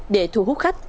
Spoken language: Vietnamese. để thu hút khách